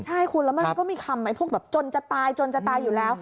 ใช่คุณแล้วมันก็มีคำไอ้พวกแบบจนจะตายจนจะตายอยู่แล้ว